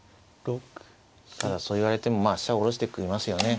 ただそう言われても飛車下ろしてきますよね。